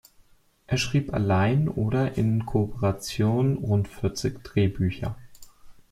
Er schrieb, allein oder in Kooperation, rund vierzig Drehbücher.